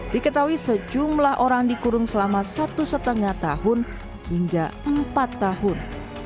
diketahui sejumlah orang dikurung selama satu lima tahun hingga empat tahun